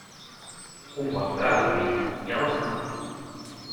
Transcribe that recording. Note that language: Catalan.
Un bon trago de vi i alça Martí.